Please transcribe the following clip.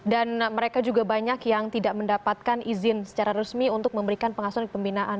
dan mereka juga banyak yang tidak mendapatkan izin secara resmi untuk memberikan pengasuhan ke pembinaan